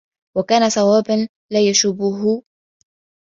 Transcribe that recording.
وَكَانَ صَوَابًا لَا يَشُوبُهُ